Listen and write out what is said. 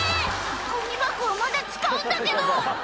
ゴミ箱はまだ使うんだけど」